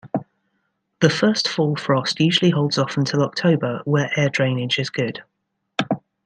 The first fall frost usually holds off until October where air drainage is good.